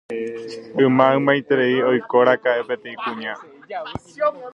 Yma, ymaiterei oikóraka'e peteĩ kuña